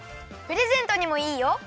プレゼントにもいいよ！